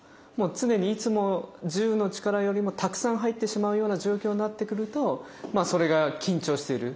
常にいつも１０の力よりもたくさん入ってしまうような状況になってくるとそれが緊張している。